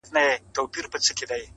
هغه له پاڼو تشه توره ونه!